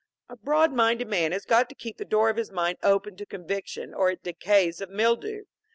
A broad minded man has got to keep the door of his mind open to conviction, or it decays of mildew.